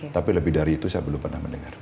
tapi lebih dari itu saya belum pernah mendengar